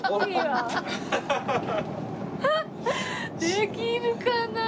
できるかな？